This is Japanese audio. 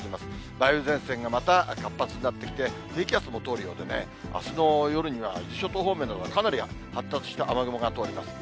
梅雨前線が活発になってきて、低気圧も通るようでね、あすの夜には伊豆諸島方面などはかなり発達した雨雲が通ります。